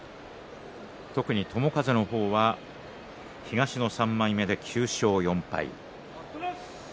特に友風の方は東の３枚目で９勝４敗。